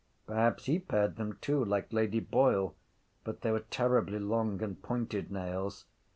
Perhaps he pared them too like Lady Boyle. But they were terribly long and pointed nails.